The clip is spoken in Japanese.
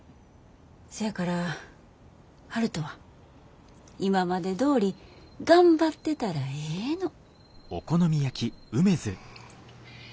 せやから悠人は今までどおり頑張ってたらええの。